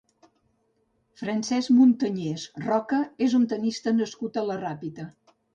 Francesc Montañés-Roca és un tennista nascut a la Ràpita.